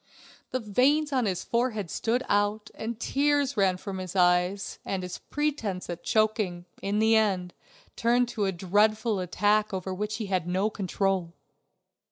The veins in his forehead stood out, the tears ran from his eyes, and his pretense at choking, in the end, turned to a dreadful attack over which he had no control.